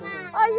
oh bukan ya